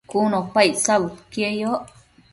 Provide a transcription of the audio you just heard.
cun opa icsabudquieyoc